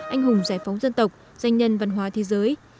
anh hùng giải phóng dân tộc danh nhân văn hóa thế giới